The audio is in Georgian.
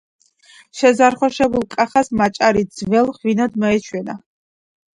შეზარხოშებულ კახას მაჭარი ძველ ღვინოდ მოეჩვენა.